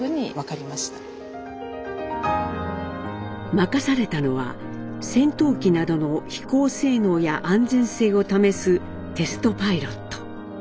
任されたのは戦闘機などの飛行性能や安全性を試す「テストパイロット」。